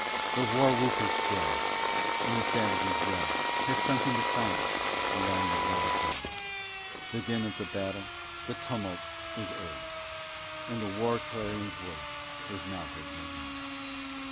The war whoop is still, and the savage's yell Has sunk into silence along the wild dell; The din of the battle, the tumult, is o'er, And the war clarion's voice is now heard no more.